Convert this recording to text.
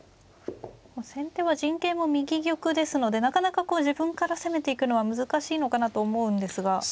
先手は陣形も右玉ですのでなかなかこう自分から攻めていくのは難しいのかなと思うんですが。